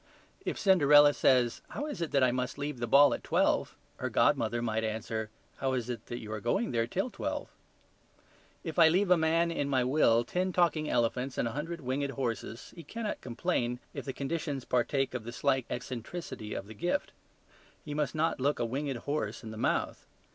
If Cinderella says, "How is it that I must leave the ball at twelve?" her godmother might answer, "How is it that you are going there till twelve?" If I leave a man in my will ten talking elephants and a hundred winged horses, he cannot complain if the conditions partake of the slight eccentricity of the gift. He must not look a winged horse in the mouth.